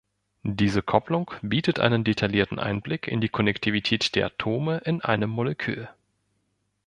Diese Kopplung bietet einen detaillierten Einblick in die Konnektivität der Atome in einem Molekül.